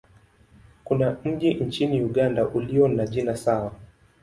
Kuna mji nchini Uganda ulio na jina sawa.